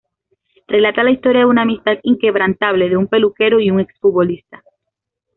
Relata la historia de una amistad inquebrantable de un peluquero y un ex futbolista.